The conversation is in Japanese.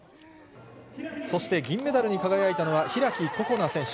そして銀メダルに輝いたのは開心那選手。